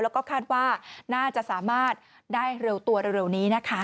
แล้วก็คาดว่าน่าจะสามารถได้เร็วตัวเร็วนี้นะคะ